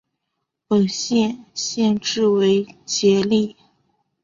本县县治为杰里。